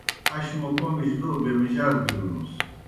اش موْ کوْمِجیْ لو بِمَجَال بِلوْنُس۔